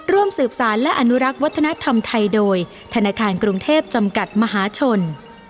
ร่วมสืบสารและอนุรักษ์วัฒนธรรมไทยโดยธนาคารกรุงเทพจำกัดมหาชน